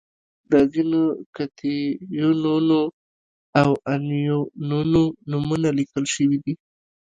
د ځینو کتیونونو او انیونونو نومونه لیکل شوي دي.